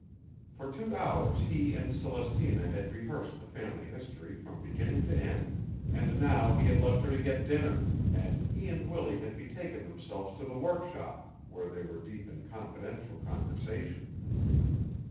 For two hours he and Celestina had rehearsed the family history from beginning to end; and now he had left her to get dinner, and he and Willie had betaken themselves to the workshop where they were deep in confidential conversation.